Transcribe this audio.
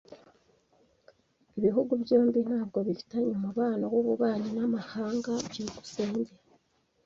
Ibihugu byombi ntabwo bifitanye umubano w’ububanyi n’amahanga. byukusenge